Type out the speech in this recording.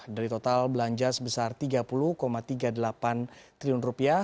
dari total belanja sebesar tiga puluh tiga puluh delapan triliun rupiah